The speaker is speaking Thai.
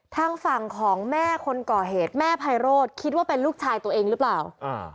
ทางฝั่งของแม่คนก่อเหตุแม่ไพโรธคิดว่าเป็นลูกชายตัวเองหรือเปล่าอ่า